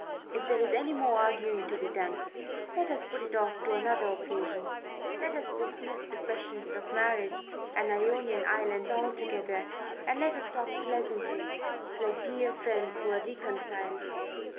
If there is any more arguing to be done, let us put it off to another occasion. Let us dismiss the questions of marriage and Ionian islands altogether, and let us talk pleasantly like dear friends who are reconciled."